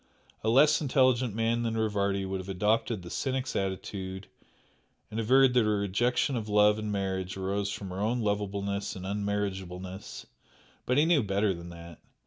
A less intelligent man than Rivardi would have adopted the cynic's attitude and averred that her rejection of love and marriage arose from her own unlovableness and unmarriageableness, but he knew better than that.